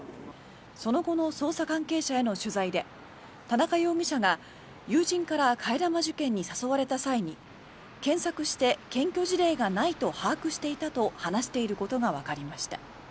その後の捜査関係者への取材で田中容疑者が友人から替え玉受検に誘われた際に検索して検挙事例がないと把握していたと話していることがわかりました。